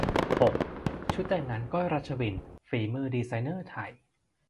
หก ชุดแต่งงาน ก้อย รัชวิน ฝีมือดีไซเนอร์ไทย